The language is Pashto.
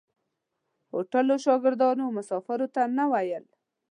هوټلو شاګردانو مسافرو ته نه ویل.